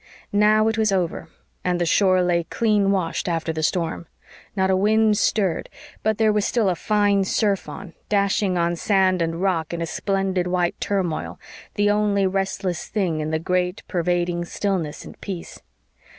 Now it was over, and the shore lay clean washed after the storm; not a wind stirred, but there was still a fine surf on, dashing on sand and rock in a splendid white turmoil the only restless thing in the great, pervading stillness and peace.